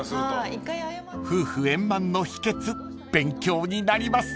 ［夫婦円満の秘訣勉強になります］